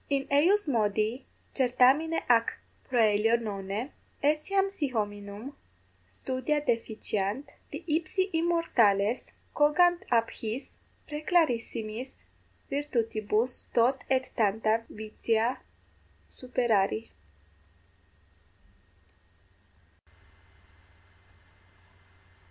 In eius modi certamine ac proelio nonne, etiam si hominum studia deficiant, di ipsi immortales cogant ab his praeclarissimis virtutibus tot et tanta vitia superari?